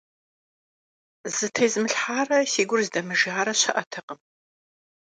Зытезмылъхьарэ си гур здэмыжарэ щыӀэтэкъым.